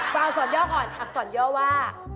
อักษรย่ออ่อนอักษรย่อว่า